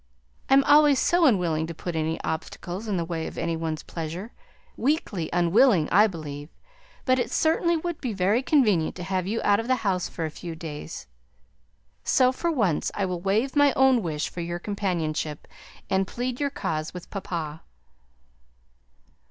I am always so unwilling to put any obstacles in the way of any one's pleasure, weakly unwilling, I believe, but it certainly would be very convenient to have you out of the house for a few days; so, for once, I will waive my own wish for your companionship, and plead your cause with papa."